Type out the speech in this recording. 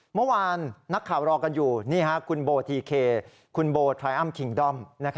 เมื่อวานนักข่าวรอกันอยู่นี่คุณโบทีเคคุณโบไทรอัมคิงด้อม